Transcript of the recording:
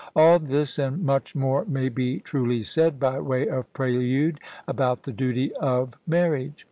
All this and much more may be truly said by way of prelude about the duty of marriage.